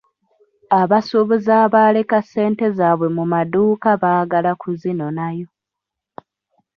Abasuubuzi abaaleka ssente zaabwe mu maduuka baagala kuzinoonayo.